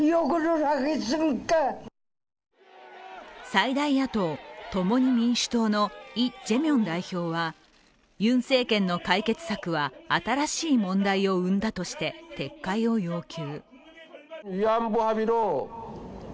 最大野党・共に民主党のイ・ジェミョン代表はユン政権の解決策は新しい問題を生んだとして撤回を要求。